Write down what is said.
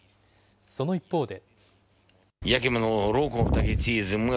その一方で。